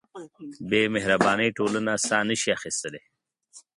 بېمهربانۍ ټولنه ساه نهشي اخیستلی.